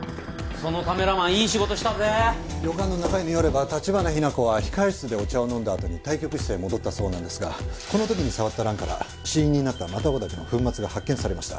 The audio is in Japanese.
旅館の仲居によれば橘日名子は控室でお茶を飲んだあとに対局室へ戻ったそうなんですがこの時に触った蘭から死因になったマタゴダケの粉末が発見されました。